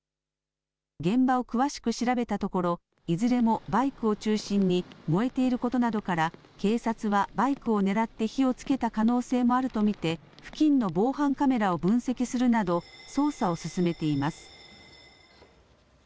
現場を詳しく調べたところいずれもバイクを中心に燃えていることなどから警察はバイクを狙って火をつけた可能性もあると見て付近の防犯カメラを分析するなど捜査を進めています。